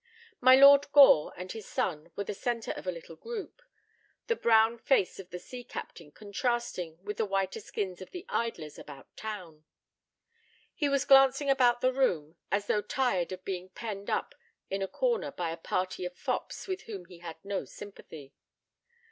My Lord Gore and his son were the centre of a little group; the brown face of the sea captain contrasting with the whiter skins of the idlers about town. He was glancing about the room, as though tired of being penned up in a corner by a party of fops with whom he had no sympathy.